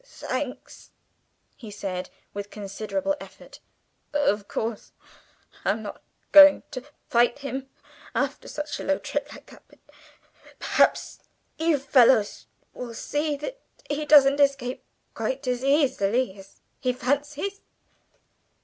"Thanks!" he said with considerable effort. "Of course I'm not going to fight him after a low trick like that; but perhaps you fellows will see that he doesn't escape quite as easily as he fancies?"